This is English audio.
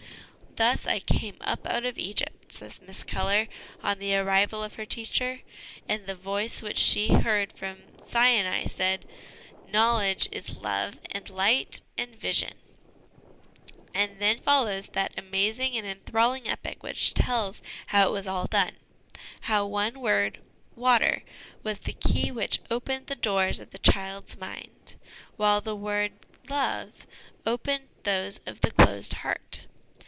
"Thus I came up out of Egypt," says Miss Keller of the arrival of her teacher, and the voice which she heard from Sinai said, " Knowledge is love and light and vision "; and then follows that amazing and enthralling epic which tells how it was all done, how the one word water was the key which opened the doors of the child's mind, while the word love opened those of the closed heart.